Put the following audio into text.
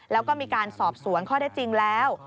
แล้วก็มีการสอบสวนข้อได้จริงแล้ว